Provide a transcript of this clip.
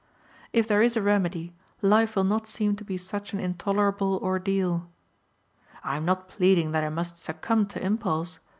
If there is a remedy life will not seem to be such an intolerable ordeal. I am not pleading that I must succumb to impulse.